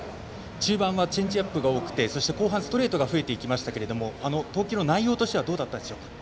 中盤はチェンジアップが多くてそして後半ストレートが増えましたが投球の内容としてはどうだったでしょうか。